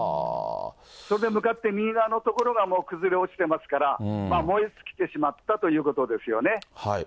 それで向かって右側の所がもう崩れ落ちてますから、燃え尽きてしまったということですよね。